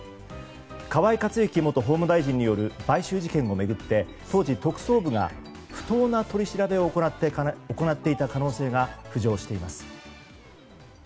河井克行元法務大臣による買収事件を巡って当時、特捜部が不当な取り調べを行っていた可能性が浮上しています。